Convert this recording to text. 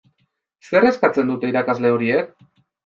Zer eskatzen dute irakasle horiek?